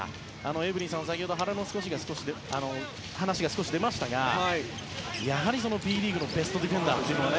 エブリンさん、先ほど原の話が少し出ましたがやはりＢリーグのベストディフェンダーというのが。